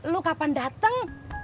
lo kapan dateng